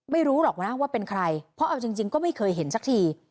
ไม่รู้หรอกนะว่าเป็นใครเพราะเอาจริงก็ไม่เคยเห็นสักที